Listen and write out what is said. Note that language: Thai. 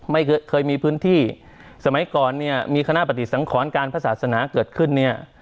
ไม่เคยเคยมีพื้นที่สมัยก่อนเนี่ยมีคณะปฏิสังขรการพระศาสนาเกิดขึ้นเนี่ย